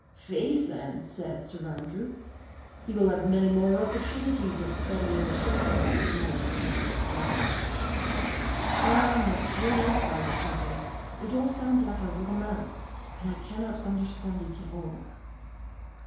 "Faith, then," said Sir Andrew, "he will have many more opportunities of studying the shape of that small scarlet flower." "Ah! Monsieur," sighed the Comtesse, "it all sounds like a romance, and I cannot understand it all."